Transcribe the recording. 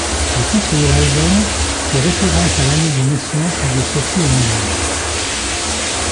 Le titre de l'album fait référence à l'année de naissance de Sophie Hunger.